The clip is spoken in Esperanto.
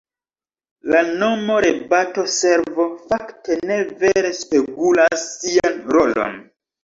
La nomo "Rebato-Servo" fakte ne vere spegulas sian rolon.